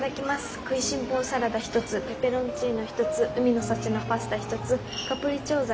くいしん坊サラダ１つペペロンチーノ１つ海の幸のパスタ１つカプリチョーザ１つ。